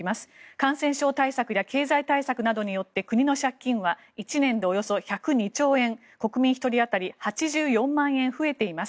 感染症対策や経済対策によって国の借金は１年でおよそ１０２兆円国民１人当たり８４万円増えています。